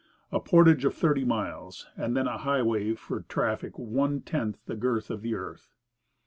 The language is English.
A portage of thirty miles, and then a highway for traffic one tenth the girth of the earth!